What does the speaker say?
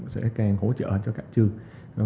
sẽ càng hỗ trợ cho các trường